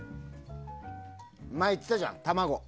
前言ってたじゃん、卵。